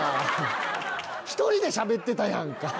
１人でしゃべってたやんか。